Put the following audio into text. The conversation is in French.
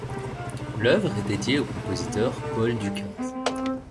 L'œuvre est dédiée au compositeur Paul Dukas.